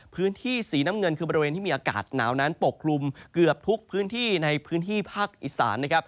พื้นที่สีน้ำเงินคือบริเวณที่มีอากาศหนาวนั้นปกคลุมเกือบทุกพื้นที่ในพื้นที่ภาคอีสานนะครับ